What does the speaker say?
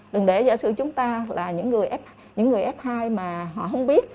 đừng để giả sử chúng ta là những người f hai mà họ không biết